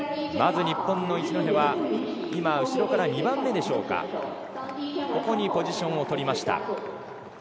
日本の一戸は後ろから２番目でしょうか、ここにポジションを取りました。